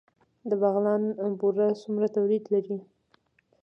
د بغلان بوره څومره تولید لري؟